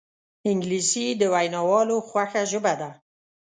انګلیسي د ویناوالو خوښه ژبه ده